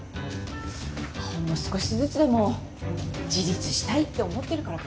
ほんの少しずつでも自立したいって思ってるからかな。